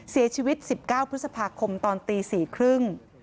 เสียชีวิต๑๙พฤษภาคมตอนตี๔๓๐